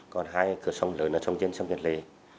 còn hai cửa sóng lớn là sông dân sông nhật lệ